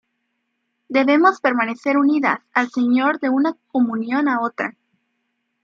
Debemos permanecer unidas al Señor de una Comunión a otra.